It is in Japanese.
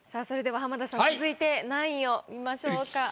それでは浜田さん続いて何位を見ましょうか？